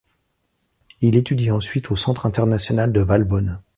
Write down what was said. Il étudie ensuite au Centre international de Valbonne.